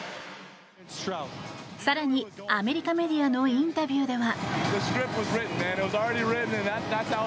更にアメリカメディアのインタビューでは。